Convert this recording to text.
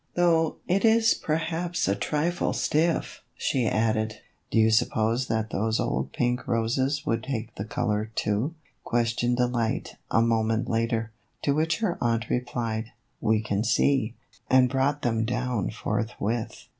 "Though it is perhaps a trifle stiff," she added. " Do you suppose that those old pink roses would take the color, too ?" questioned Delight, a moment later. To which her aunt replied, " We can see," and brought them down forthwith.